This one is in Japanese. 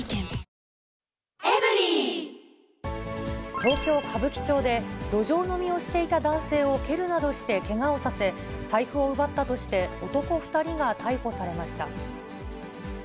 東京・歌舞伎町で路上飲みをしていた男性を蹴るなどしてけがをさせ、財布を奪ったとして、男２人が逮捕されました。